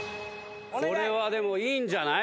これはでもいいんじゃない？